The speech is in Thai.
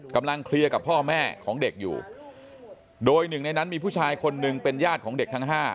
กำลังเคลียร์กับพ่อแม่ของเด็กอยู่โดยหนึ่งในนั้นมีผู้ชายคนหนึ่งเป็นญาติของเด็กทั้งห้า